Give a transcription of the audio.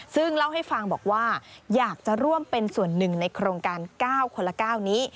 ซึ่งเล่าให้ฟังบอกว่าอยากจะร่วมเป็นส่วนหนึ่งในโครงการ๙คนละ๙นี้